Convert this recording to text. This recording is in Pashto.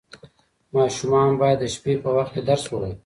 ماشومان باید د شپې په وخت کې درس ووایي.